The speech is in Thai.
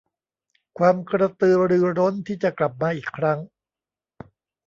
ความกระตือรือร้นที่จะกลับมาอีกครั้ง